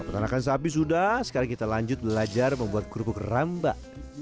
peternakan sapi sudah sekarang kita lanjut belajar membuat kerupuk rambak